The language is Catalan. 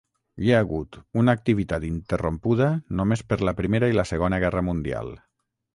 Hi ha hagut una activitat interrompuda només per la Primera i la Segona Guerra Mundial.